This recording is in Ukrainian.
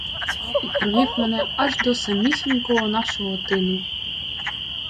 І провів мене аж до самісінького нашого тину.